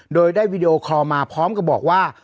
โดยได้วีดีโอคอลมาพร้อมกับบอกว่า